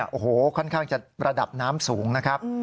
โอ้โหค่อนข้างจะระดับน้ำสูงนะครับ